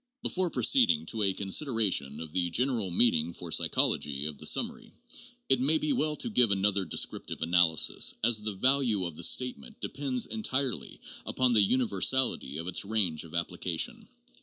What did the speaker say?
Before proceeding to a consideration of the general meaning for psychology of the summary, it may be well to give another descriptive analysis, as the value of the statement depends en tirely upon the universality of its range of application.